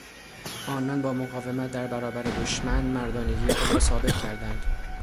آنان با مقاومت در برابر دشمن مردانگی خود را ثابت کردند.